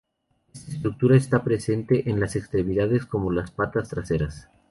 Esta estructura está presente en las extremidades como las patas traseras.